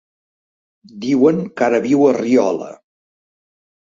Diuen que ara viu a Riola.